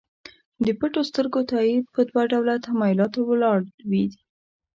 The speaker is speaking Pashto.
د پټو سترګو تایید په دوه ډوله تمایلاتو ولاړ وي.